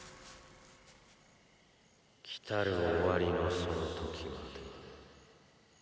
・来る終わりのその時まで。